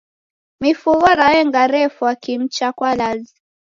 Mifugho raenga refwa kimu cha kwalazi.